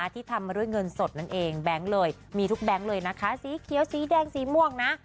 ที่ทำมาด้วยเงินสดนั่นเองแบงค์เลยมีทุกแบงค์เลยนะคะสีเขียวสีแดงสีม่วงนะ